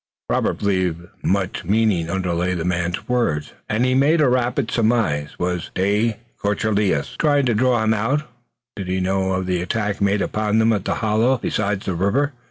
Robert believed much meaning underlay the man's words, and he made rapid surmises. Was de Courcelles trying to draw him out? Did he know of the attack made upon them at the hollow beside the river?